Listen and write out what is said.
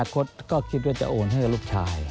ก็คิดว่าจะโอนให้กับลูกชาย